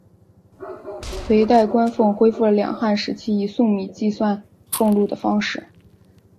隋代官俸恢复了两汉时期以粟米计算俸禄的方式。